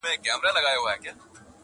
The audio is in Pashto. ښکلي زلمي به یې تر پاڼو لاندي نه ټولیږي!